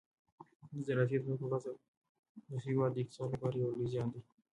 د زراعتي ځمکو غصب د هېواد د اقتصاد لپاره یو لوی زیان دی.